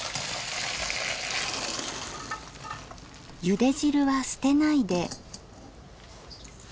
ゆで汁は捨てないで。